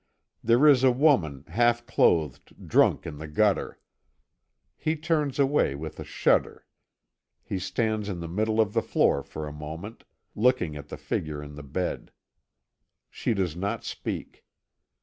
There is a woman, half clothed, drunk in the gutter. He turns away with a shudder. He stands in the middle of the floor for a moment, looking at the figure in the bed. She does not speak.